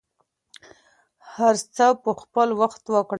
هر څه په خپل وخت وکړئ.